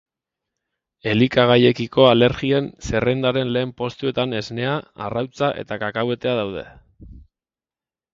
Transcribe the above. Elikagaiekiko alergien zerrendaren lehen postuetan esnea, arrautza eta kakahuetea daude.